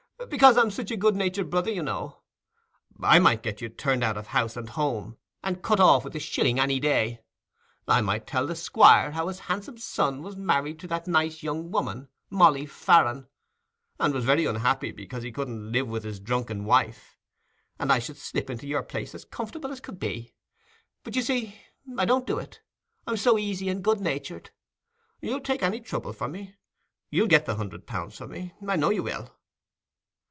"Because I'm such a good natured brother, you know. I might get you turned out of house and home, and cut off with a shilling any day. I might tell the Squire how his handsome son was married to that nice young woman, Molly Farren, and was very unhappy because he couldn't live with his drunken wife, and I should slip into your place as comfortable as could be. But you see, I don't do it—I'm so easy and good natured. You'll take any trouble for me. You'll get the hundred pounds for me—I know you will."